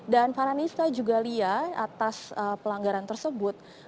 dan para nista juga lihat atas pelanggaran tersebut